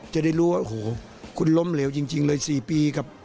จะได้รู้ว่าโอ้โหคุณล้มเหลวจริงเลย๔ปีกับ